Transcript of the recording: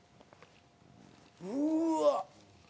うわ。